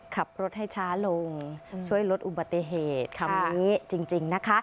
ขับรถให้ช้าลงช่วยลดอุบัติเหตุคำนี้จริงนะคะ